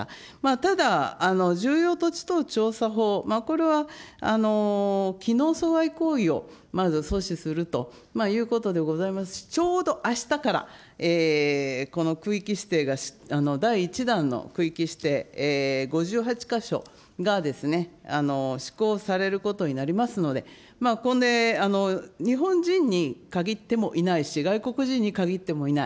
ただ、重要土地等調査法、これはきのうをまず阻止するということでございますし、ちょうどあしたから、この区域指定が第１弾の区域指定５８か所が、施行されることになりますので、日本人に限ってもいないし、外国人に限ってもいない。